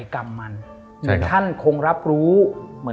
คำกู้